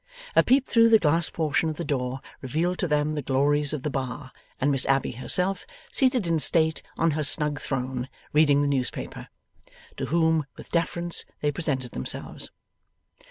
A peep through the glass portion of the door revealed to them the glories of the bar, and Miss Abbey herself seated in state on her snug throne, reading the newspaper. To whom, with deference, they presented themselves.